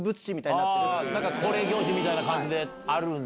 なんか恒例行事みたいな感じであるんだ。